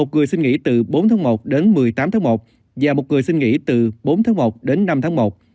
một người xin nghỉ từ bốn tháng một đến một mươi tám tháng một và một người xin nghỉ từ bốn tháng một đến năm tháng một